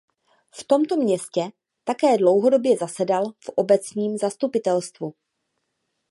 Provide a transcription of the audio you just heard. V tomto městě také dlouhodobě zasedal v obecním zastupitelstvu.